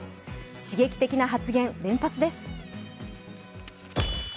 刺激的な発言、連発です。